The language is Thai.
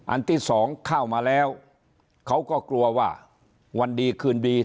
อันที่สองเข้ามาแล้วเขาก็กลัวว่าวันดีคืนดี